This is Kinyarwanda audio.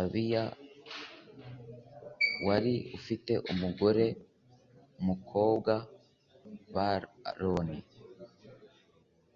abiya wari ufite umugore wo mu bakobwa ba aroni